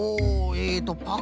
えっと